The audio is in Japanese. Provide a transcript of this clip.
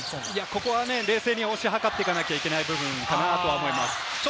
ここは冷静に推し量っていかなければいけない部分だと思います。